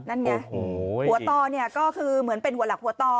นั่นไงหัวต่อเนี่ยก็คือเหมือนเป็นหัวหลักหัวตอ